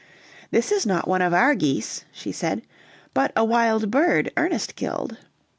"This is not one of our geese," she said, "but a wild bird Ernest killed."